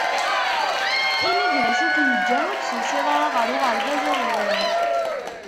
Ini-d d acu k-yeǧǧan ur d-tusiḍ ara ɣer uɣerbaz iḍelli.